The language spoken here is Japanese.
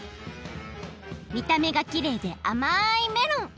みためがきれいであまいメロン！